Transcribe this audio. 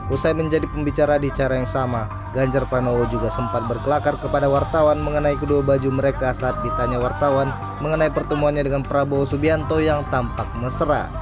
usai menjadi pembicara di cara yang sama ganjar pranowo juga sempat berkelakar kepada wartawan mengenai kedua baju mereka saat ditanya wartawan mengenai pertemuannya dengan prabowo subianto yang tampak mesra